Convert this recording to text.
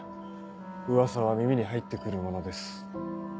噂は耳に入ってくるものです。